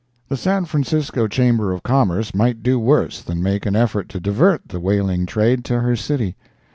The San Francisco Chamber of Commerce might do worse than make an effort to divert the whaling trade to her city.